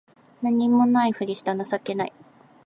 何も無いふりした情けない